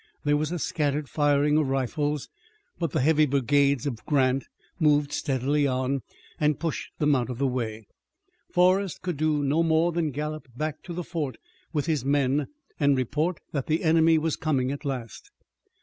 There was a scattered firing of rifles, but the heavy brigades of Grant moved steadily on, and pushed them out of the way. Forrest could do no more than gallop back to the fort with his men and report that the enemy was coming at last.